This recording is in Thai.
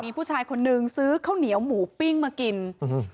มีผู้ชายคนนึงซื้อข้าวเหนียวหมูปิ้งมากินอืม